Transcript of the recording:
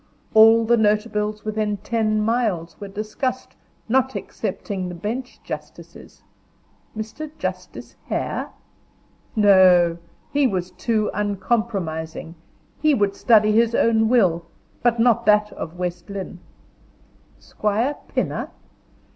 All the notables within ten miles were discussed, not excepting the bench justices. Mr. Justice Hare? No! he was too uncompromising, he would study his own will, but not that of West Lynne. Squire Pinner?